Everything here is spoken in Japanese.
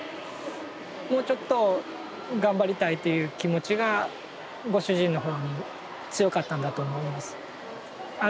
もうちょっと頑張りたいという気持ちがご主人の方にも強かったんだと思います。